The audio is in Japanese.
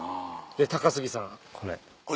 で高杉さんこれ。